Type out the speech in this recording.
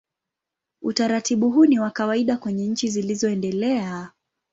Utaratibu huu ni wa kawaida kwenye nchi zilizoendelea.